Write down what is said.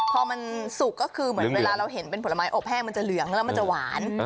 พอมันสุกก็คือเหมือนเวลาเราเห็นเป็นผลไม้อบแห้งมันจะเหลืองแล้วมันจะหวาน